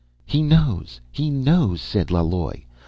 "He knows, he knows," said Laloi.